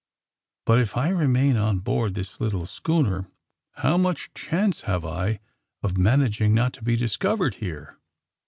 But, if I remain on board this little schooner, how much chance have I of managing not to be discovered here?"